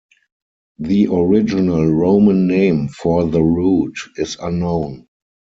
The original Roman name for the route is unknown.